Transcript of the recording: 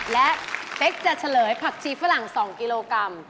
และเป๊กจะเฉลยผักชีฝรั่ง๒กิโลกรัม